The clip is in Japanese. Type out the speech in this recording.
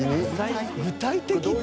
具体的に？